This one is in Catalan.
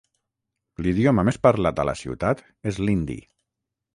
L'idioma més parlat a la ciutat és l'hindi.